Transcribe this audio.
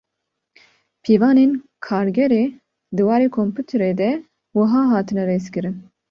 Pîvanên Kargerê di warê komputerê de wiha hatine rêzkirin.